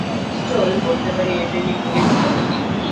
আমি নিশ্চয় বলতে পারি, এ দেবী পোলিটিকাল দেবী।